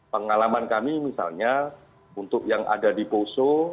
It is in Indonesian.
pengalaman kami misalnya untuk yang ada di poso